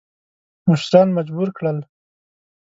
مشران مجبور کړل.